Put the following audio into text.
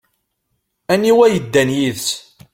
Aniwa yeddan yid-s?